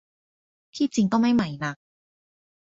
ที่จริงก็ไม่ใหม่นัก